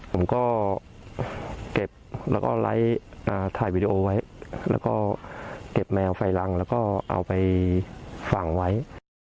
ผมก็เก็บแล้วก็ไลฟ์ถ่ายวีดีโอไว้แล้วก็เก็บแมวไฟรังแล้วก็เอาไปฝังไว้